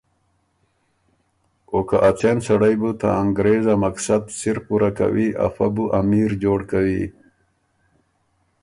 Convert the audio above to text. او که اڅېن سړئ بُو ته انګرېز ا مقصد سِر پُوره کوی افۀ بو امیر جوړ کوی۔